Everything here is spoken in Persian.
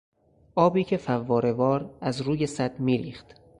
آبی که فوارهوار از روی سد میریخت